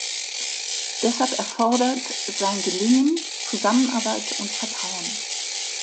Deshalb erfordert sein Gelingen Zusammenarbeit und Vertrauen.